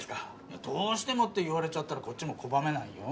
どうしてもって言われちゃったらこっちも拒めないよ？